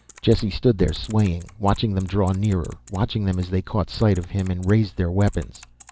Jesse stood there, swaying, watching them draw nearer, watching them as they caught sight of him and raised their weapons.